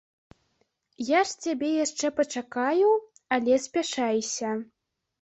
Я ж цябе яшчэ пачакаю, але спяшайся.